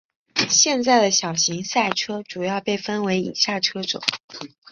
现在的小型赛车主要被分为以下车种。